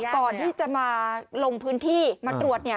ก่อนที่จะมาลงพื้นที่มาตรวจ